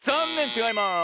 ちがいます。